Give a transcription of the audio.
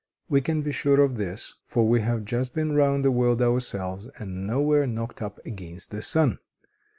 We can be sure of this for we have just been round the world ourselves, and nowhere knocked up against the sun.